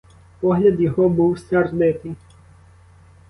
Погляд його був сердитий.